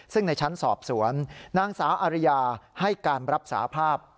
ซึ่งในชั้นสอบสวนนางสาวอาริยาให้การรับสาภาพ